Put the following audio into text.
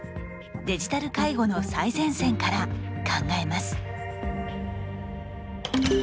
デジタル介護の最前線から考えます。